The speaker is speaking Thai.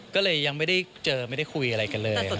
ก็เลยยังไม่ได้เจอไม่ได้คุยอะไรกันเลย